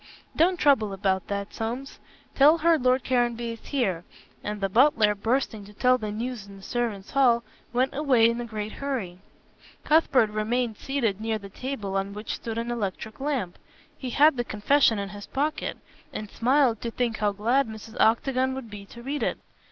"Don't trouble about that, Somes. Tell her Lord Caranby is here," and the butler, bursting to tell the news in the servants' hall, went away in a great hurry. Cuthbert remained seated near the table on which stood an electric lamp. He had the confession in his pocket, and smiled to think how glad Mrs. Octagon would be to read it.